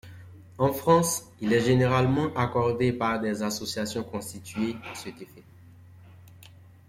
En France, il est généralement accordé par des associations constituées à cet effet.